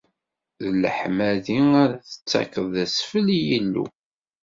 D leḥmadi ara tettakeḍ d asfel i Yillu.